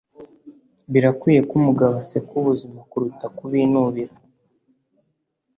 “birakwiye ko umugabo aseka ubuzima kuruta kubinubira.”